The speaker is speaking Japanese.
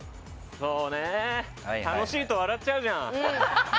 楽しいと笑っちゃうじゃん。